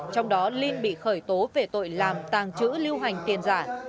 trong đó linh bị khởi tố về tội làm tàng trữ lưu hành tiền giả